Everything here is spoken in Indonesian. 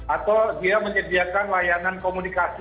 atau dia menyediakan layanan komunikasi